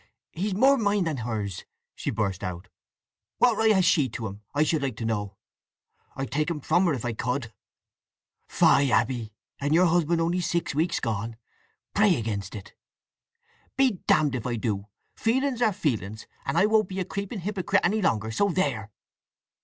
"He's more mine than hers!" she burst out. "What right has she to him, I should like to know! I'd take him from her if I could!" "Fie, Abby! And your husband only six weeks gone! Pray against it!" "Be damned if I do! Feelings are feelings! I won't be a creeping hypocrite any longer—so there!"